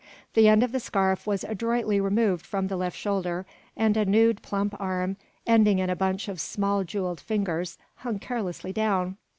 The end of the scarf was adroitly removed from the left shoulder; and a nude, plump arm, ending in a bunch of small jewelled fingers, hung carelessly down.